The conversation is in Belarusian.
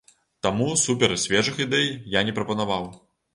Таму супер-свежых ідэй я не прапанаваў.